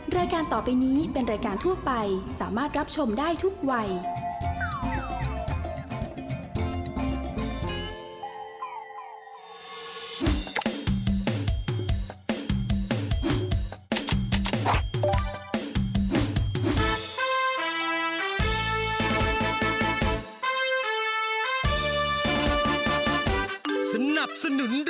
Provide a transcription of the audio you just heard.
รายการต่อไปนี้เป็นรายการทั่วไปสามารถรับชมได้ทุกวัย